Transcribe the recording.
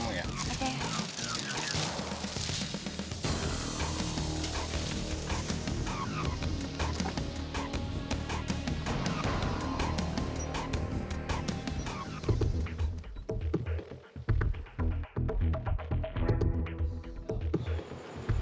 makasih ya mas